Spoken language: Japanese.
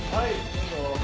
どうぞ。